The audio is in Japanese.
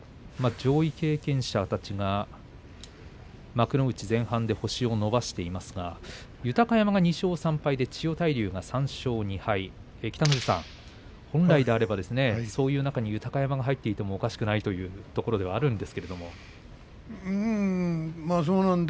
上位経験者たちが幕内前半で星を伸ばしていますが豊山が２勝３敗千代大龍が３勝２敗北の富士さん、そういう中に豊山が入っていてもおかしくないと思うんですけれども。